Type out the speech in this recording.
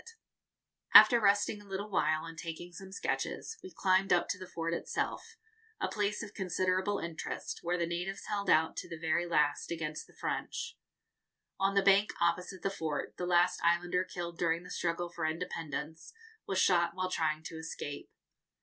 [Illustration: Waterfall at Faataua] After resting a little while and taking some sketches, we climbed up to the fort itself, a place of considerable interest, where the natives held out to the very last against the French. On the bank opposite the fort, the last islander killed during the struggle for independence was shot while trying to escape.